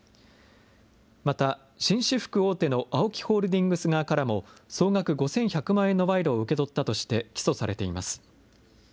また、紳士服大手のＡＯＫＩホールディングス側からも、総額５１００万円の賄賂を受け取ったとして起訴されています。